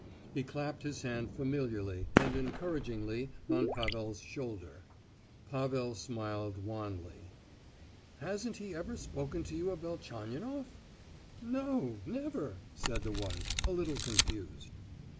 He clapped his hand familiarly and encouragingly on Pavel's shoulder. Pavel smiled wanly. "Hasn't he ever spoken to you of Velchaninoff?" "No, never," said the wife, a little confused.